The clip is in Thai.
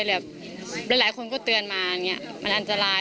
หลายคนก็เตือนมามันอันตราย